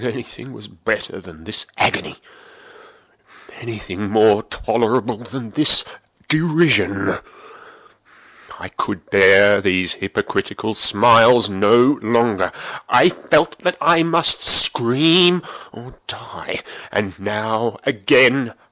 But anything was better than this agony! Anything was more tolerable than this derision! I could bear those hypocritical smiles no longer! I felt that I must scream or die! and now—again!